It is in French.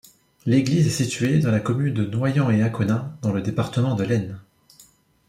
L'église est située sur la commune de Noyant-et-Aconin, dans le département de l'Aisne.